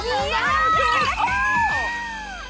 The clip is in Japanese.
やったー！